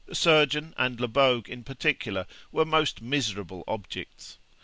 The surgeon and Lebogue, in particular, were most miserable objects.